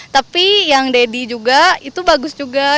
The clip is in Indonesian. tapi yang deddy juga itu bagus juga